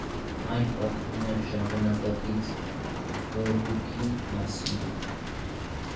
Այն պատմում է ժամանակակից վհուկի մասին։